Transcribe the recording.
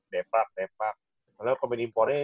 depak depak malah kalo main impornya